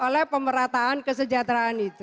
oleh pemerataan kesejahteraan itu